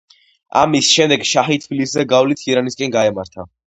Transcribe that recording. ამის შემდეგ შაჰი თბილისზე გავლით ირანისაკენ გაემართა.